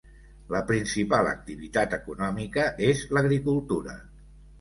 La principal activitat econòmica és l'agricultura.